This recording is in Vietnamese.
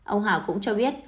ông hảo cũng cho biết